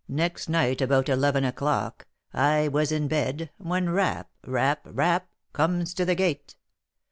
Next night, about eleven o'clock, I was in bed, when rap, rap, rap, comes to the gate.